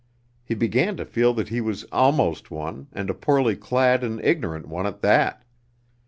He began to feel that he was almost one, and a poorly clad and ignorant one at that.